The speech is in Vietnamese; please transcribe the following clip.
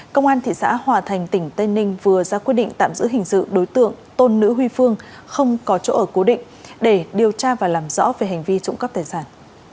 công an thị xã hòa thành tỉnh tây ninh vừa ra quyết định tạm giữ hình sự đối tượng tôn nữ huy phương không có chỗ ở cố định để điều tra và làm rõ về hành vi trộm cắp tài sản